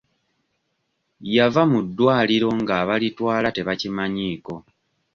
Yava mu ddwaliro nga abalitwala tebakimanyiiko.